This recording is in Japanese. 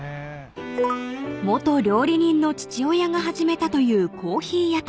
［元料理人の父親が始めたというコーヒー屋台］